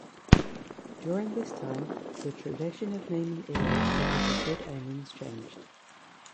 During this time, the tradition of naming eras because of good omens changed.